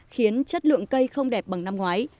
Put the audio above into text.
khiến chất lượng cây không đẹp bằng năm ngoái